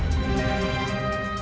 t shap sebagai